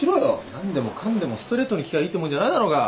何でもかんでもストレートに聞きゃいいってもんじゃないだろうが！